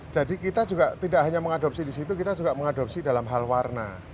jadi kita juga tidak hanya mengadopsi disitu kita juga mengadopsi dalam hal warna